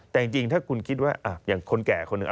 แต่จริงถ้าคุณคิดว่าอย่างคนแก่คนหนึ่ง